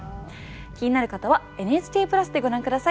気になる方は「ＮＨＫプラス」でご覧下さい。